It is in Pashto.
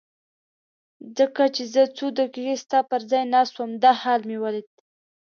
ځکه چې زه څو دقیقې ستا پر ځای ناست وم دا حال مې ولید.